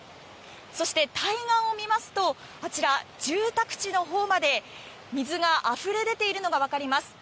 そして、対岸を見ますとあちら、住宅地のほうまで水があふれ出ているのがわかります。